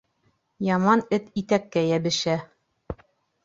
Яман эт итәккә йәбешә